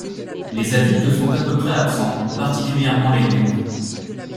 Les adultes sont à peu près absents, particulièrement les mères.